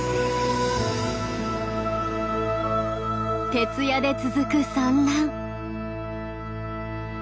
徹夜で続く産卵。